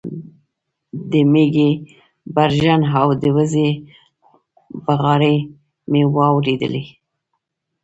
د مېږې برژن او د وزې بغارې مې واورېدې